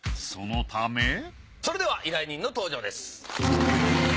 そのためそれでは依頼人の登場です。